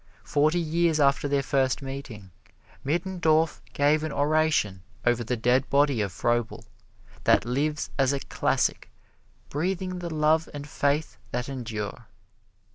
Forty years after their first meeting, Middendorf gave an oration over the dead body of Froebel that lives as a classic, breathing the love and faith that endure.